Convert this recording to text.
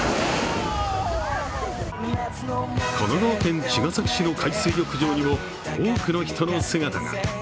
神奈川県茅ヶ崎市の海水浴場にも多くの人の姿が。